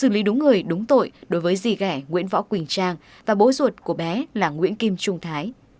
xử lý đúng người đúng tội đối với rì gẻ nguyễn võ quỳnh trang và bố ruột của bé là nguyễn kim trung thái